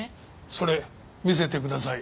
それ見せてください。